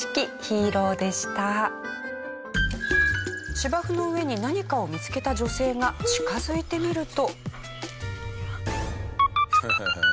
芝生の上に何かを見つけた女性が近づいてみると。